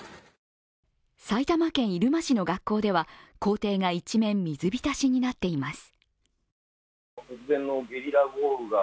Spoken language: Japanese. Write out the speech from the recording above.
埼玉県入間市の学校では校庭が一面水浸しになっています。